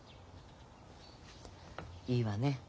いいわね